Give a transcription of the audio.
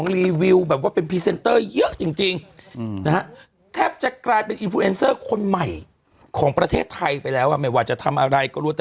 ที่เป็นบทแจะทำอะไรก็รู้แต่ไหน